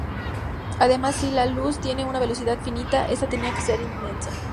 Además, si la luz tiene una velocidad finita, esta tenía que ser inmensa.